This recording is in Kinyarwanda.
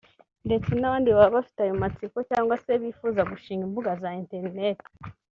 ndetse n’abandi baba bafite ayo matsiko cyangwa se bifuza gushinga imbuga za internet